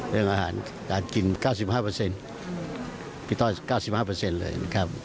เรื่องอาหารการกิน๙๕พี่ต้อย๙๕เลยนะครับ